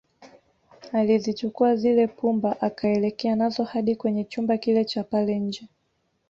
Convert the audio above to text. Alizichukua zile pumba akaelekea nazo hadi kwenye chumba kile Cha pale nje